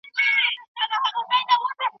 له تعصب او کرکې څخه ځان وساتئ.